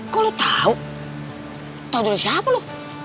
kok lu tau tau dari siapa lu